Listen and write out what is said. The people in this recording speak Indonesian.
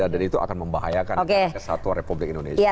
dan itu akan membahayakan kesatuan republik indonesia